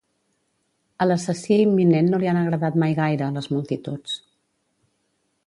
A l'assassí imminent no li han agradat mai gaire, les multituds.